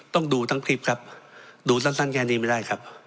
ต้องดูทั้งคลิปครับดูสั้นแค่นี้ไม่ได้ครับ